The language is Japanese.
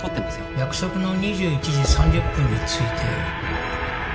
約束の２１時３０分に着いて